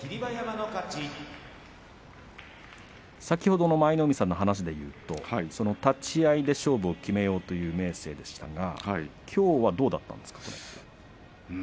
先ほどの舞の海さんの話でいうと立ち合いで勝負を決めようという明生でしたがきょうはどうだったんですか。